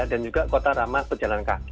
dan juga kota ramah pejalan kaki